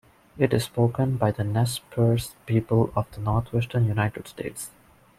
It is spoken by the Nez Perce people of the Northwestern United States.